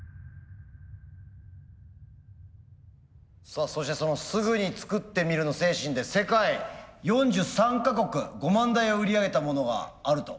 さあそしてそのすぐに作ってみるの精神で世界４３か国５万台を売り上げたモノがあると。